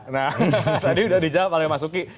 nah tadi udah dijawab oleh mas suki